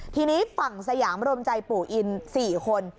ทีนี้ฝั่งสยามรวมใจปู่อิน๔คน